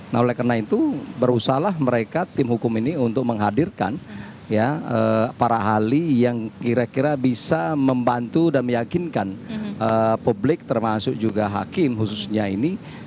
nah oleh karena itu berusahalah mereka tim hukum ini untuk menghadirkan para ahli yang kira kira bisa membantu dan meyakinkan publik termasuk juga hakim khususnya ini